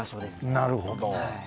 なるほど！